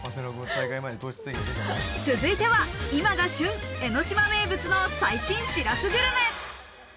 続いては今が旬、江の島の名物の最新しらすグルメ。